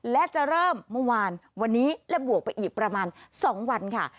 และจะเริ่มเมื่อวานวันนี้และบวกไปอีกประมาณ๒วันค่ะ